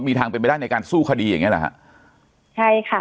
มีทางเป็นไปได้ในการสู้คดีอย่างเงี้เหรอฮะใช่ค่ะ